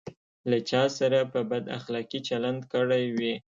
له چا سره په بد اخلاقي چلند کړی وي.